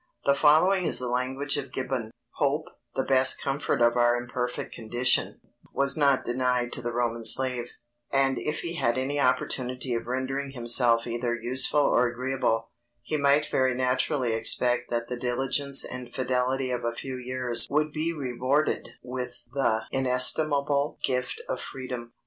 The following is the language of Gibbon: Hope, the best comfort of our imperfect condition, was not denied to the Roman slave; and if he had any opportunity of rendering himself either useful or agreeable, he might very naturally expect that the diligence and fidelity of a few years would be rewarded with the inestimable gift of freedom.